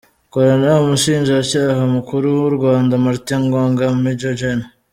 Koran, Umushinjacyaha Mukuru w’u Rwanda Martin Ngoga, Major Gen.